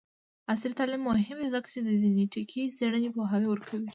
عصري تعلیم مهم دی ځکه چې د جینیټک څیړنې پوهاوی ورکوي.